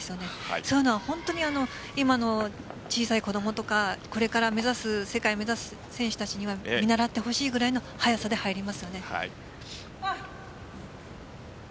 そういうのが本当に今の小さい子供とかこれから世界を目指す選手たちには見習ってほしいくらいの速さで入りますよね。